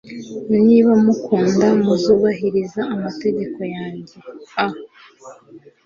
niba munkunda muzubahiriza amategeko yanjye a